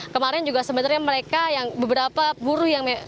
kemarin juga sebenarnya mereka yang beberapa buruh yang